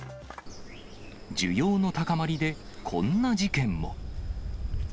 需要の高まりでこんな事件も。